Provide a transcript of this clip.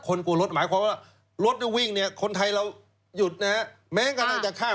คนกลัวรถหมายความว่ารถมันวิ่งเนี่ยคนไทยเราหยุดนะครับ